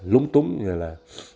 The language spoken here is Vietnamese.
lúng túng như là